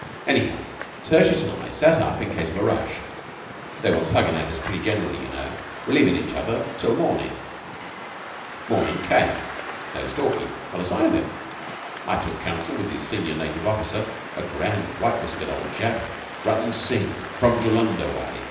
Anyhow, Tertius and I sat up in case of a rush (they were plugging at us pretty generally, you know), relieving each other till the mornin'. "Mornin' came. No Stalky. Not a sign of him. I took counsel with his senior native officer a grand, white whiskered old chap Rutton Singh, from Jullunder way.